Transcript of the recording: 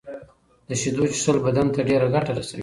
د شېدو څښل بدن ته ډيره ګټه رسوي.